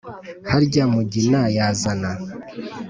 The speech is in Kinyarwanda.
harya mugina yazana